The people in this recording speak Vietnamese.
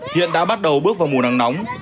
hiện đã bắt đầu bước vào mùa nắng nóng